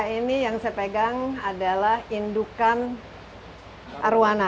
ini yang saya pegang adalah indukan arwana